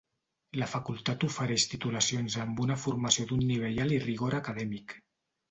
La facultat ofereix titulacions amb una formació d'un nivell alt i rigor acadèmic.